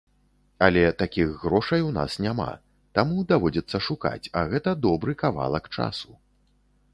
Але такіх грошай у нас няма, таму даводзіцца шукаць, а гэты добры кавалак часу.